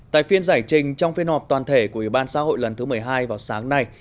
tại phiên giải trình trong phiên họp toàn thể của ủy ban xã hội lần thứ một mươi hai vào sáng nay